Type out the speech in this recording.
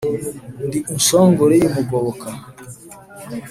Ndi inshongore y’umugoboka